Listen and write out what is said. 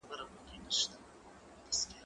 زه مخکي تکړښت کړي وو؟